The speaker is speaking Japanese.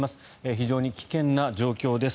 非常に危険な状況です。